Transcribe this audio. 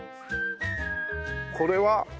これは？